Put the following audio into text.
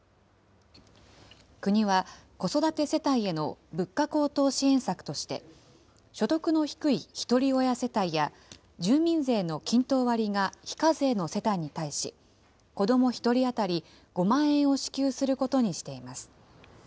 国は、子育て世帯への物価高騰支援策として、所得の低いひとり親世帯や、住民税の均等割りが非課税の世帯に対し、子ども１人当たり５万円を支給することにしています。